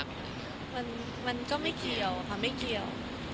มันก็ไม่เกี่ยวค่ะไม่เกี่ยว